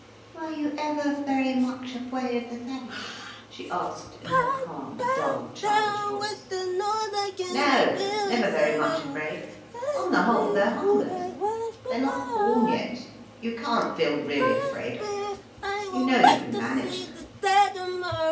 "Were you ever vewy much afwaid of the savages?" she asked in her calm, dull childish voice. "No—never very much afraid. On the whole they're harmless—they're not born yet, you can't feel really afraid of them. You know you can manage them."